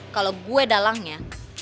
kalo gue dalangnya